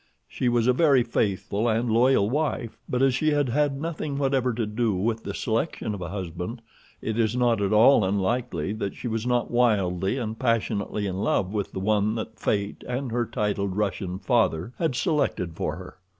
She was a very faithful and loyal wife, but as she had had nothing whatever to do with the selection of a husband, it is not at all unlikely that she was not wildly and passionately in love with the one that fate and her titled Russian father had selected for her.